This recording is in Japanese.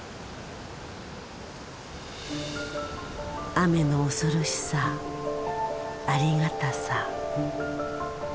雨の恐ろしさありがたさ。